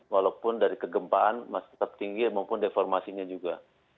walaupun dari kegempaan masih tetap tinggi maupun deformasinya juga